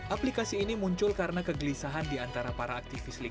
aplikasi ini muncul karena kegelisahan diantara panggilan